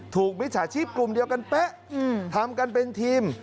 มิจฉาชีพกลุ่มเดียวกันเป๊ะทำกันเป็นทีม